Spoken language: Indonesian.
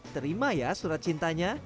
terima ya surat cintanya